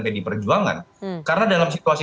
pdi perjuangan karena dalam situasi